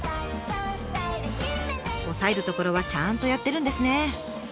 押さえるところはちゃんとやってるんですね。